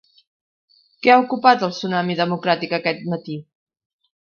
Què ha ocupat el Tsunami Democràtic aquest matí?